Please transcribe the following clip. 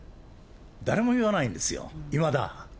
誰も言わないんですよ、いまだ。